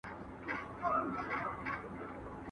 ¬ اور ته وچ او لانده يو دي.